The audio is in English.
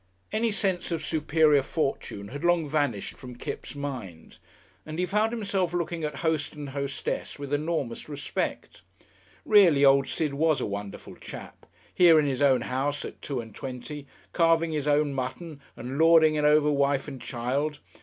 Any sense of superior fortune had long vanished from Kipps' mind, and he found himself looking at host and hostess with enormous respect. Really, old Sid was a wonderful chap, here in his own house at two and twenty, carving his own mutton and lording it over wife and child.